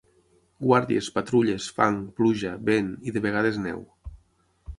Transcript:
Guàrdies, patrulles, fang, pluja, vent, i de vegades neu